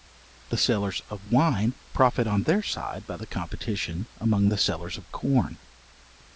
The sellers of wine profit on their side by the competition among the sellers of corn.